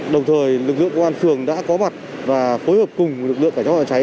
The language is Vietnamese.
đồng thời lực lượng công an phường đã có mặt và phối hợp cùng lực lượng cảnh sát phòng cháy